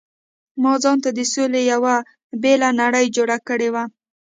ما ځانته د سولې یو بېله نړۍ جوړه کړې وه.